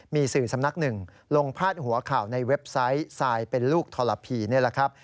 มีสื่อสำนักหนึ่งลงพาดหัวข่าวในเว็บไซต์ทรายเป็นลูกทรพีนี่แหละครับ